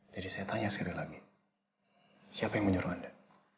jadi saya tanya sekali lagi siapa yang menyuruh anda